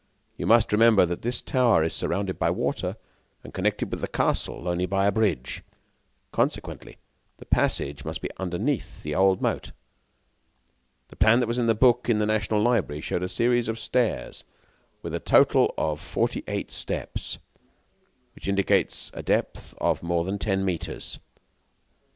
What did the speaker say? You must remember that this tower is surrounded by water and connected with the castle only by a bridge; consequently, the passage must be underneath the old moat. The plan that was in the book in the National Library showed a series of stairs with a total of forty eight steps, which indicates a depth of more than ten meters.